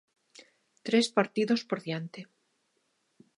Tres partidos por diante.